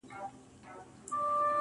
• د نظرونو په بدل کي مي فکرونه راوړل.